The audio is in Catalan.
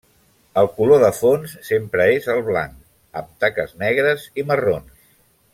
El color de fons sempre és el blanc, amb taques negres i marrons.